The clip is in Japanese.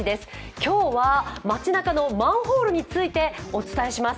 今日は街なかのマンホールについてお伝えします。